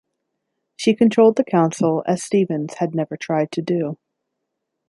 She controlled the Council as Stevens had never tried to do.